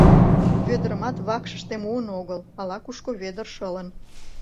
Вӧдырымат вакшыште муын огыл, ала-кушко Вӧдыр шылын.